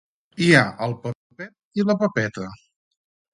Hi ha el Pepet i la Pepeta.